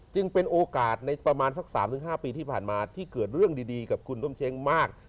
จึงเป็นโอกาสในประมาณสัก๓๕ปีที่ผ่านมาที่เกิดเรื่องดีกับคุณต้มเช้งมาก